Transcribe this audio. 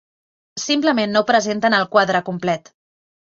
Simplement no presenten el quadre complet.